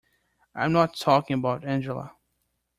I'm not talking about Angela.